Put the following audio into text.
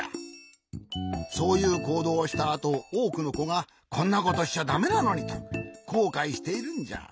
そういうこうどうをしたあとおおくのこが「こんなことしちゃだめなのに」とこうかいしているんじゃ。